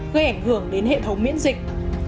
gây ảnh hưởng đến hệ thống miễn dịch